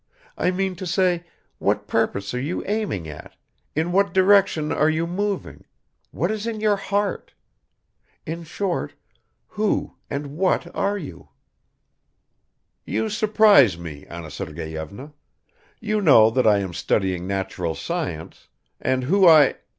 I mean to say, what purpose are you aiming at, in what direction are you moving, what is in your heart? In short, who and what are you?" "You surprise me, Anna Sergeyevna. You know, that I am studying natural science and who I